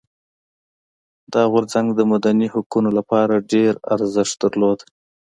دا غورځنګ د مدني حقونو لپاره ډېر ارزښت درلود.